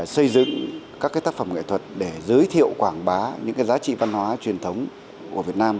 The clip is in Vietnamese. xây dựng các tác phẩm nghệ thuật để giới thiệu quảng bá những giá trị văn hóa truyền thống của việt nam